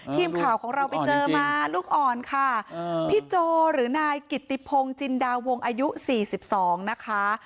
ทีมข่าวของเราไปเจอมาลูกอ่อนค่ะพี่โจหรือนายกิตติพงศ์จินดาวงอายุ๔๒นะคะ